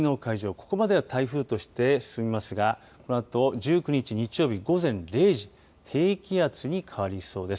ここまでは台風として進みますがこのあと１９日、日曜日午前０時低気圧に変わりそうです。